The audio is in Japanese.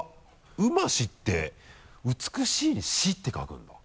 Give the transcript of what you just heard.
「うまし」って「美」に「し」って書くんだ。